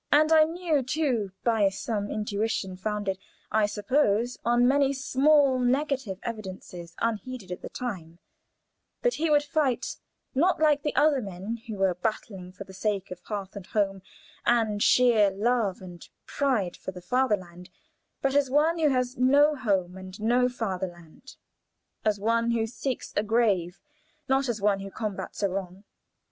And I knew, too, by some intuition founded, I suppose, on many small negative evidences unheeded at the time, that he would fight, not like the other men who were battling for the sake of hearth and home, and sheer love and pride for the Fatherland, but as one who has no home and no Fatherland, as one who seeks a grave, not as one who combats a wrong.